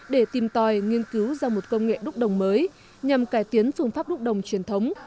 để tìm tòi nghiên cứu ra một công nghệ đúc đồng mới nhằm cải tiến phương pháp đúc đồng truyền thống